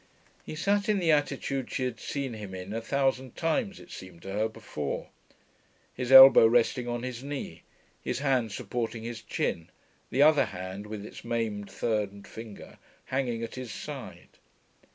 He sat in the attitude she had seen him in a thousand times (it seemed to her) before; his elbow resting on his knee, his hand supporting his chin, the other hand, with its maimed third finger, hanging at his side.